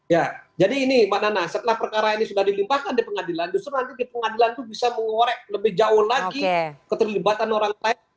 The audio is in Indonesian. ya jadi ini mbak nana setelah perkara ini sudah dilimpahkan di pengadilan justru nanti di pengadilan itu bisa mengorek lebih jauh lagi keterlibatan orang lain